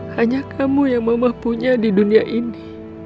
hanya kamu yang mama punya di dunia ini